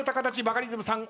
バカリズムさん。